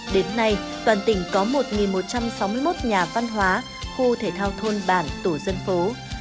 đến nay toàn tỉnh có một một trăm sáu mươi một nhà văn hóa khu thể thao thôn bản tổ dân phố